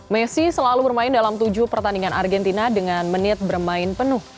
messi selalu bermain dalam tujuh pertandingan argentina dengan menit bermain penuh